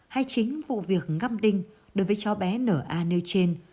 hay chính vụ việc ngắp đinh đối với chó bé nở a nêu trên